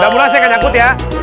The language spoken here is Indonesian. udah mulai saya gak nyangkut ya